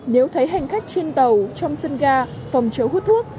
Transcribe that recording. nếu thấy hành khách trên tàu trong sân ga phòng chống hút thuốc